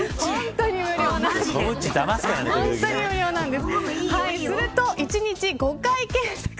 本当に無料なんです。